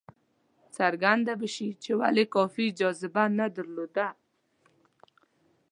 څرګنده به شي چې ولې کافي جاذبه نه درلوده.